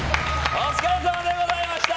お疲れさまでございました！